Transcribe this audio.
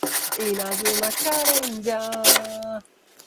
The track went platinum.